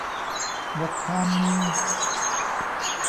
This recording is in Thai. บทความมี